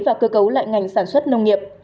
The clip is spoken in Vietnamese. và cơ cấu lại ngành sản xuất nông nghiệp